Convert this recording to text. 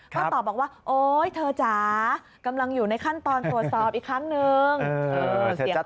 ก็ตอบบอกว่าโอ๊ยเธอจ๋ากำลังอยู่ในขั้นตอนตรวจสอบอีกครั้งนึง